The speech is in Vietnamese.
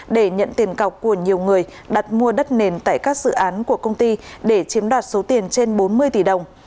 để nhận tiền cọc của nhiều người đặt mua đất nền tại các dự án của công ty để chiếm đoạt số tiền trên bốn mươi tỷ đồng